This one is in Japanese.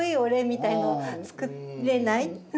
みたいの作れない。